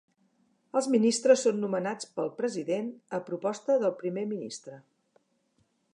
Els ministres són nomenats pel President a proposta del Primer ministre.